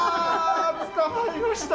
捕まりました。